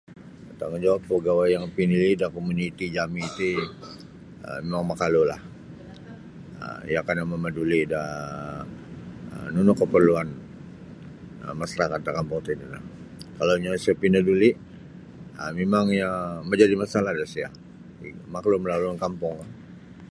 Tanggung jawab pegawai yang pinili da komuniti jami ti um mimang makalulah um iyo kana mamaduli da nunu keperluan masarakat da kampung tino kalau isanyo pinaduli mimang majadi da masalah disiyo maklumlah ulun kampung.